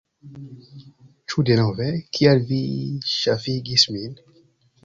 Ĉu denove? Kial vi ŝafigis min?